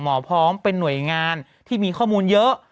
หมอพร้อมเป็นหน่วยงานที่มีข้อมูลเยอะ